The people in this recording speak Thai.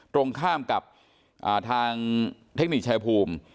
ตรงข้ามกับทางเทคนิคชายภูมิ